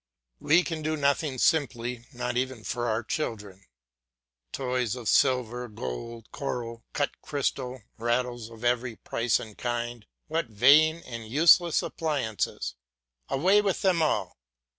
We can do nothing simply, not even for our children. Toys of silver, gold, coral, cut crystal, rattles of every price and kind; what vain and useless appliances. Away with them all!